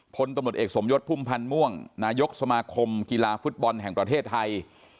พลตำรวจเอกสมยศพุ่มพันธ์ม่วงนายกสมาคมกีฬาฟุตบอลแห่งประเทศไทย